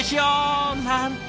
なんて